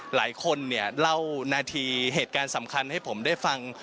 หลายคนเนี่ยเล่านาทีเหตุการณ์สำคัญให้ผมได้ฟัง